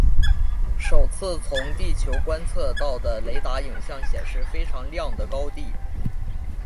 首次从地球观测到的雷达影像显示非常亮的高地。